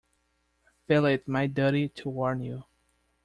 Feel it my duty to warn you.